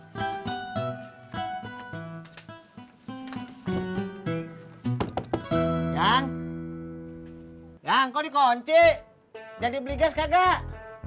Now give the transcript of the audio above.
jangan dibeli gas kagak